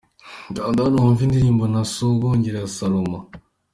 Kanda hano wumve indirimbo Nasogongera ya Salomon.